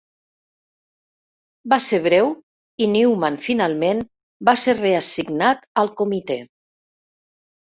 Va ser breu i Neumann finalment va ser reassignat al comitè.